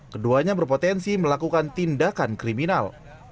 keduanya berpotensi melakukan tindakan kriminal